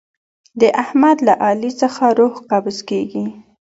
د احمد له علي څخه روح قبض کېږي.